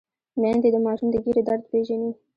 میندې د ماشوم د ګیډې درد پېژني۔